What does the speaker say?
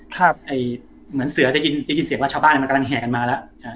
เหมือนเสือจะได้ยินเสียงว่าชาวบ้านมันกำลังแห่กันมาแล้ว